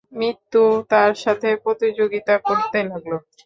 মৃত্যুও তাঁর সাথে প্রতিযোগিতা করতে লাগল।